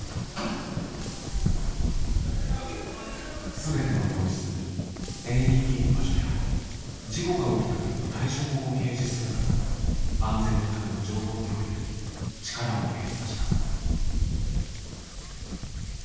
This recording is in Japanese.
全ての教室にＡＥＤの場所や事故が起きた時の対処法を掲示するなど安全のための情報共有に力を入れてきました。